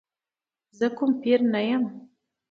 زه کوم پیر نه یم.